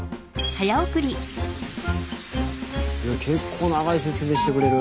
結構長い説明してくれる。